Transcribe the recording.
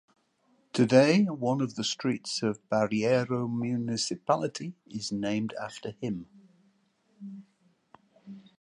Today, one of the streets of Barreiro municipality is named after him.